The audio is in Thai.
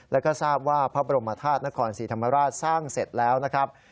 แล้วก็ทราบว่าพระบรมธาตุนครศรีธรรมราชสร้างเสร็จแล้วนะครับ